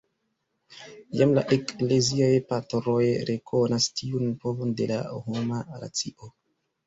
Jam la Ekleziaj Patroj rekonas tiun povon de la homa racio.